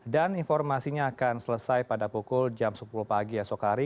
informasinya akan selesai pada pukul jam sepuluh pagi esok hari